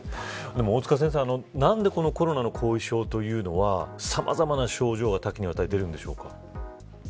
でも大塚先生何でコロナの後遺症というのはさまざまな症状が多岐にわたり出るんでしょうか。